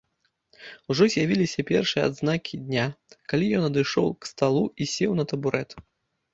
Ужо з'явіліся першыя адзнакі дня, калі ён адышоўся к сталу і сеў на табурэт.